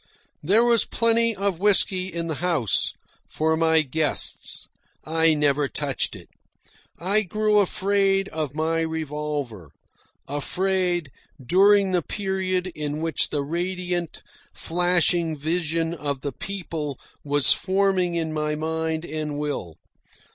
There was plenty of whisky in the house for my guests. I never touched it. I grew afraid of my revolver afraid during the period in which the radiant, flashing vision of the PEOPLE was forming in my mind and will.